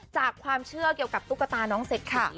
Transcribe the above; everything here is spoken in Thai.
จากความเชื่อเกี่ยวกับตุ๊กตาน้องเศรษฐี